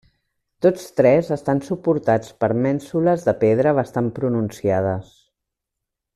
Tots tres estan suportats per mènsules de pedra bastant pronunciades.